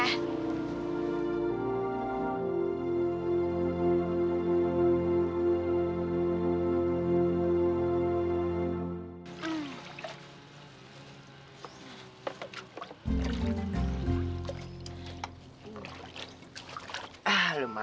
ya ini dia